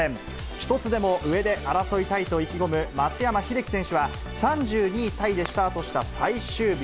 一つでも上で争いたいと意気込む、松山英樹選手は、３２位タイでスタートした最終日。